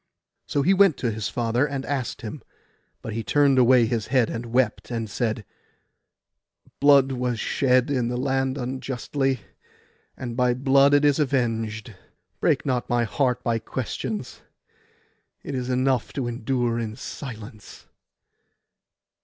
So he went to his father, and asked him; but he turned away his head and wept, and said, 'Blood was shed in the land unjustly, and by blood it is avenged. Break not my heart by questions; it is enough to endure in silence.